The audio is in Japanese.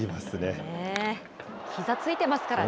ひざついてますからね。